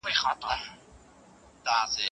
هغه وویل چي څېړنه د ادب لویه څانګه ده.